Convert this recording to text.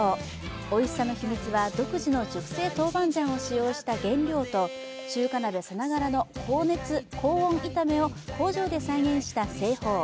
おいしさの秘密は独自の熟成トウバンジャンを使用した原料と中華鍋さながらの高温炒めを工場で再現した製法。